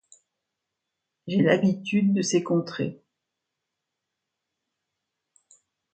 J’ai l’habitude de ces contrées.